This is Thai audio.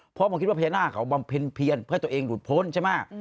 เพราะผมคิดว่าพญานาคเพียนเพื่อให้ตัวเองหลุดพ้นใช่ไหม